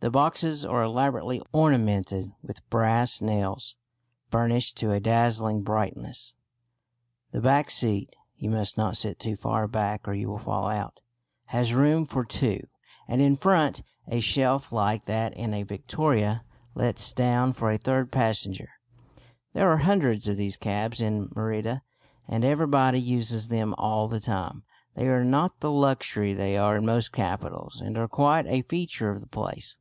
The boxes are elaborately ornamented with brass nails burnished to a dazzling brightness. The back seat (you must not sit too far back or you will fall out) has room for two, and in front a shelf like that in a victoria lets down for a third passenger. There are hundreds of these cabs in Merida, and everybody uses them all the time. They are not the luxury they are in most capitals, and are quite a feature of the place.